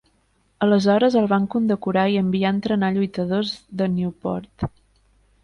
Aleshores el van condecorar i enviar a entrenar lluitadors de Nieuport.